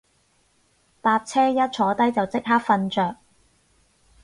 搭車一坐低就即刻瞓着